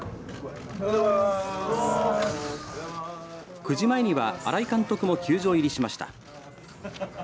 ９時前には新井監督も球場入りしました。